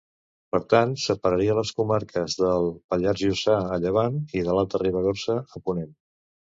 Per tant, separaria les comarques del Pallars Jussà, a llevant, de l'Alta Ribagorça, a ponent.